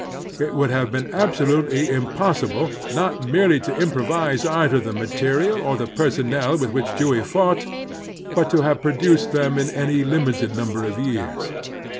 It would have been absolutely impossible not merely to improvise either the material or the personnel with which Dewey fought, but to have produced them in any limited ntunber of years.